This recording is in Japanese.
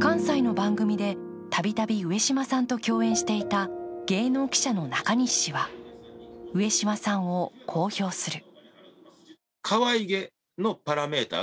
関西の番組でたびたび上島さんと共演していた芸能記者の中西氏は上島さんをこう評する。